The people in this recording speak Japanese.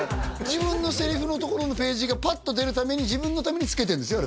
自分のセリフのところのページがパッと出るために自分のためにつけてるんですよ